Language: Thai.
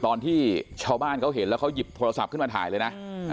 ตอนที่ชาวบ้านเขาเห็นแล้วเขาหยิบโทรศัพท์ขึ้นมาถ่ายเลยนะ